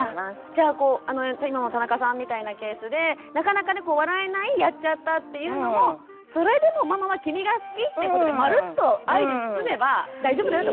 じゃあ今も田中さんみたいなケースでなかなかね笑えない「やっちゃった！」っていうのもそれでもママは君が好きってことでまるっと愛で包めば大丈夫だよってことですね。